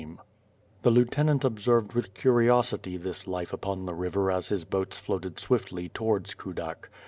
m The lieutenant observed with curiosity this life upon the river as his boats floated swiftly towards Kudak.